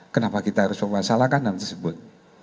kenapa kita harus memasalahkan hal tersebut